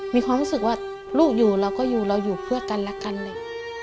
มีความรู้สึกว่าลูกอยู่เราก็อยู่เราอยู่เพื่อกันและกันเลย